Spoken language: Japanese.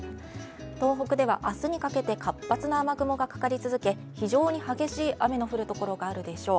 東北では明日にかけて活発な雨雲がかかり続け非常に激しい雨の降るところがあるでしょう。